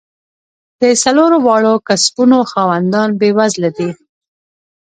د څلور واړو کسبونو خاوندان بېوزله دي.